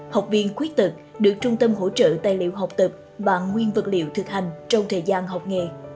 học viên khuyết tật được trung tâm hỗ trợ tài liệu học tập và nguyên vật liệu thực hành trong thời gian học nghề